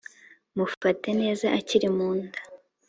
mufate neza akiri mu nda